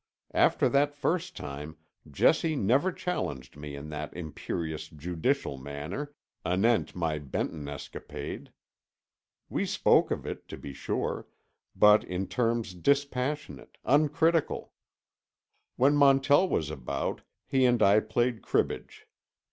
After that first time Jessie never challenged me in that imperious, judicial manner, anent my Benton escapade. We spoke of it, to be sure, but in terms dispassionate, uncritical. When Montell was about, he and I played cribbage.